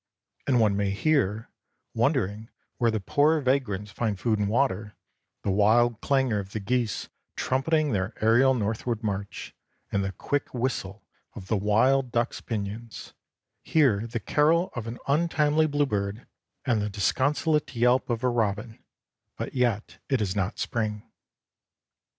And one may hear, wondering where the poor vagrants find food and water, the wild clangor of the geese trumpeting their aerial northward march, and the quick whistle of the wild duck's pinions, hear the carol of an untimely bluebird and the disconsolate yelp of a robin; but yet it is not spring.